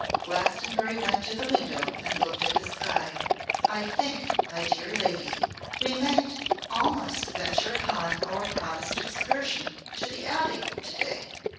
Glastonbury went to the window and looked at the sky. 'I think, my dear lady, we might almost venture upon our promised excursion to the Abbey today.